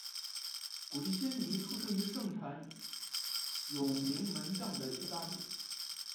古迪仙尼出生于盛产有名门将的意大利。